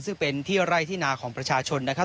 ซึ่งเป็นที่ไร่ที่นาของประชาชนนะครับ